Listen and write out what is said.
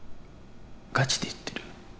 ガチで言ってる？